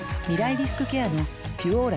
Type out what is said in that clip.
リスクケアの「ピュオーラ」